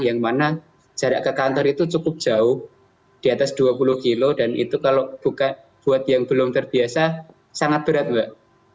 yang mana jarak ke kantor itu cukup jauh di atas dua puluh kilo dan itu kalau buat yang belum terbiasa sangat berat mbak